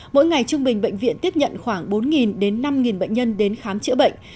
mỗi ngày trung bình bệnh viện tiếp nhận khoảng bốn đến năm bệnh nhân đến khám chữa bệnh